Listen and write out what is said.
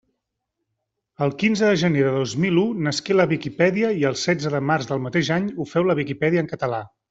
El quinze de gener de dos mil u nasqué la Viquipèdia i el setze de març del mateix any ho féu la Viquipèdia en català.